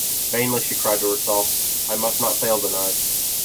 Vainly she cried to herself, "I must not fail tonight."